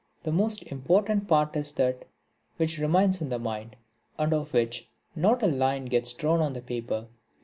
The most important part is that which remains in the mind, and of which not a line gets drawn on the paper.